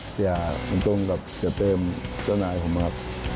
อย่ามันตรงกับเสียเป้มเจ้านายผมครับ